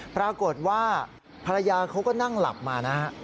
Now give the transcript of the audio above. ปรากฏว่าภรรยาเขาก็นั่งหลับมานะฮะ